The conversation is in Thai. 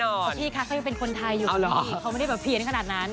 เพราะพี่คะเขายังเป็นคนไทยอยู่พี่เขาไม่ได้แบบเพี้ยนขนาดนั้น